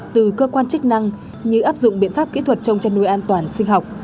từ cơ quan chức năng như áp dụng biện pháp kỹ thuật trong chăn nuôi an toàn sinh học